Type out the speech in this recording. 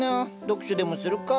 読書でもするか。